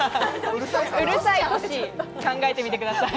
うるさいトシ考えてみてください。